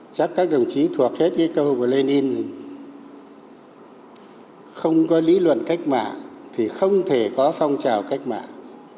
chắc các đồng chí thuộc hết cái câu của lenin không có lý luận cách mạng thì không thể có phong trào cách mạng